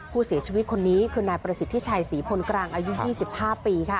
ผู้เสียชีวิตคนนี้คือนายประสิทธิชัยศรีพลกลางอายุ๒๕ปี